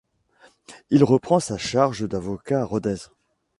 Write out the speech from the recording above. Il reprend sa charge d'avocat à Rodez.